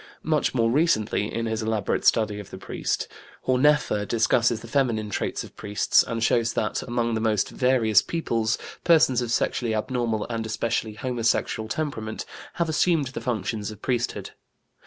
Much more recently, in his elaborate study of the priest, Horneffer discusses the feminine traits of priests and shows that, among the most various peoples, persons of sexually abnormal and especially homosexual temperament have assumed the functions of priesthood.